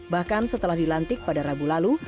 bahkan setelah dilantik pada rabu lalu